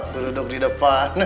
berduduk di depan